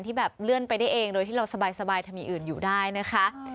ที่แบบเลื่อนไปได้เองโดยที่เราสบายถ้ามีอื่นอยู่ได้นะคะ